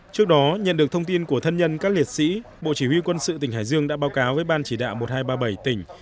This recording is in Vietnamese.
trước đó nhận được thông tin của thân nhân các liệt sĩ bộ chỉ huy quân sự tỉnh hải dương đã báo cáo với ban chỉ đạo một nghìn hai trăm ba mươi bảy tỉnh